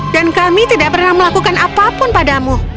dan kami tidak pernah melakukan apapun padamu